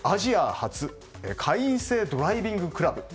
初会員制ドライビングクラブ。